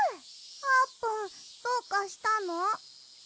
あーぷんどうかしたの？